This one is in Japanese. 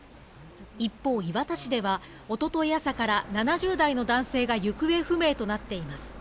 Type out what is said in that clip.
一方、磐田市ではおととい朝から７０代の男性が行方不明となっています。